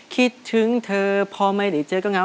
คิดถึงเธอพอไม่ได้เจอก็เงา